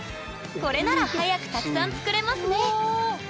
これなら早くたくさん作れますね！